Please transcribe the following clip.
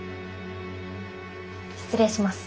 失礼します。